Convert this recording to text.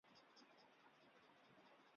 丰臣军一路降伏北条支城。